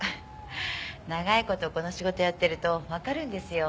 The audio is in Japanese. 長い事この仕事をやってるとわかるんですよ。